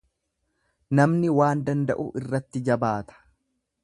Namni waan danda'u irratti jabaata.